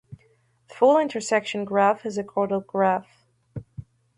The full intersection graph is a chordal graph.